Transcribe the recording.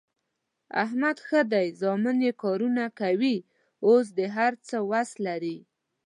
احمد ښه دی زامن یې کارونه کوي، اوس د هر څه وس لري.